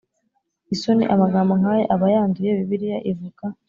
isoni Amagambo nk ayo aba yanduye Bibiliya ivuga